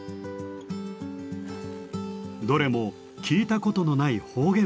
どれも聞いたことのない方言ばかり。